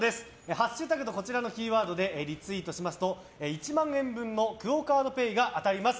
ハッシュタグとこちらのキーワードでリツイートすると１万円分のＱＵＯカードＰａｙが当たります。